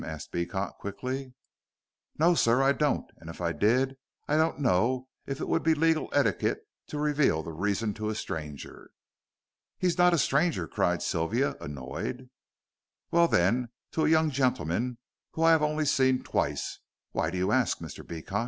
asked Beecot, quickly. "No, sir, I don't. And if I did, I don't know if it would be legal etiquette to reveal the reason to a stranger." "He's not a stranger," cried Sylvia, annoyed. "Well, then, to a young gentleman whom I have only seen twice. Why do you ask, Mr. Beecot?"